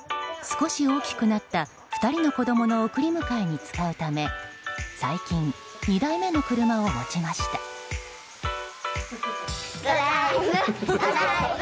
少し大きくなった２人の子供の送り迎えに使うため最近、２台目の車を持ちました。